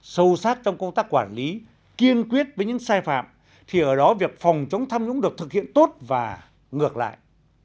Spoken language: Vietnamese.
sâu sát trong công tác quản lý kiên quyết với những sai phạm thì ở đó việc phòng chống tham nhũng được thực hiện tốt và ngược lại